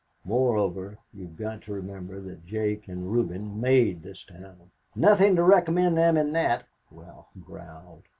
Moreover, you have got to remember that Jake and Reuben made this town." "Nothing to recommend them in that," Ralph growled.